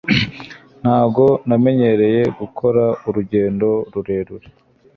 ntabwo namenyereye gukora urugendo rurerure